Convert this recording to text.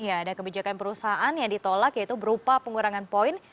ya ada kebijakan perusahaan yang ditolak yaitu berupa pengurangan poin